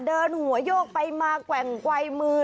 เดินหัวโยกไปมาแกว่งไวมือ